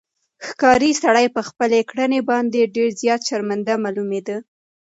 ښکاري سړی په خپلې کړنې باندې ډېر زیات شرمنده معلومېده.